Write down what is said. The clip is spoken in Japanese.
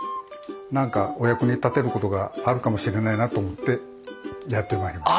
何かお役に立てることがあるかもしれないなと思ってやって参りました。